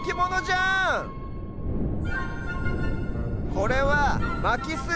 これは「まきす」。